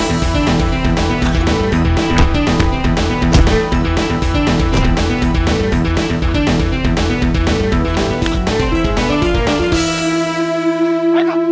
apasih ya bang